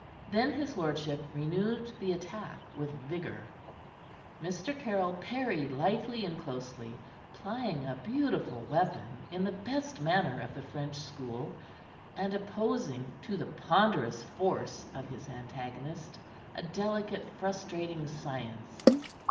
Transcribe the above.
Then his lordship renewed the attack with vigor. Mr. Caryll parried lightly and closely, plying a beautiful weapon in the best manner of the French school, and opposing to the ponderous force of his antagonist a delicate frustrating science.